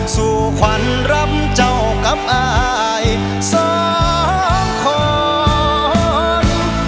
สู่ขวัญรำเจ้ากับอายสองคน